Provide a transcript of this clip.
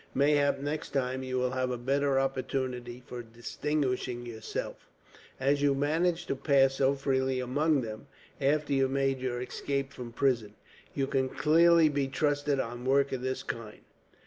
Mayhap next time you will have a better opportunity for distinguishing yourself. As you managed to pass so freely among them, after you made your escape from prison, you can clearly be trusted on work of this kind."